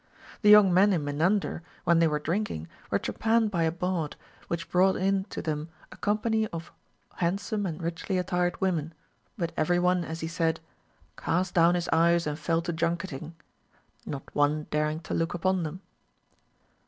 The young men in Menander, when they were drinking, were trepanned by a bawd, which brought in to them a company of handsome and richly attired women ; but every one, as he said. Cast down liis eyes and fell to junketing, — not one daring to look upon them.